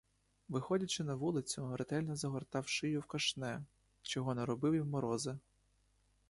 Виходячи на вулицю, ретельно загортав шию в кашне, чого не робив і в морози.